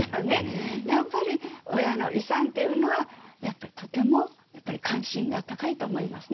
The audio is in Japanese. やっぱり親の遺産というのはとてもやっぱり関心が高いと思いますね。